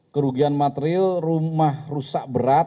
kerugian material rumah rusak berat